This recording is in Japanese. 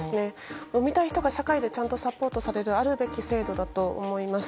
産みたい人が社会でちゃんとサポートされるあるべき制度だと思います。